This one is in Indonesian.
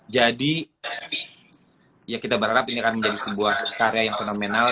jadi ya kita berharap ini akan menjadi sebuah karya yang fenomenal